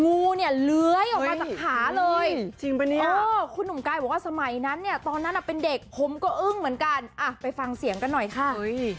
งูเนี่ยเล้วยออกมาจากขาเลยคุณ๑๕๐๐สมัยนั้นเนี่ยตอนนั้นเป็นเด็กผมก็เป็นกันไปฟังเสียงกันหน่อยค่ะ